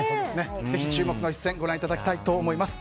ぜひ注目の１戦ご覧いただきたいと思います。